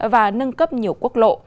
và nâng cấp nhiều quốc lộ